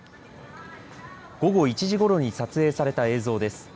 午後１時ごろに撮影された映像です。